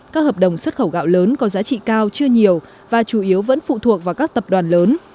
các hợp đồng xuất khẩu gạo lớn có giá trị cao chưa nhiều và chủ yếu vẫn phụ thuộc vào các tập đoàn lớn